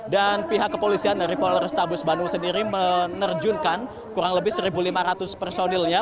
dan pihak kepolisian dari polrestabus bandung sendiri menerjunkan kurang lebih satu lima ratus personilnya